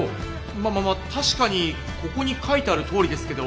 まあまあまあ確かにここに書いてあるとおりですけど。